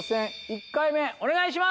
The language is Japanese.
１回目お願いします。